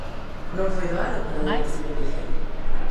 Non foi doado para o Deportivo Liceo.